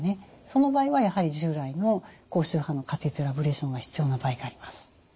その場合はやはり従来の高周波のカテーテルアブレーションが必要な場合があります。